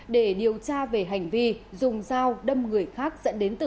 để điều tra về hành vi dùng dao đâm người khác dẫn đến tử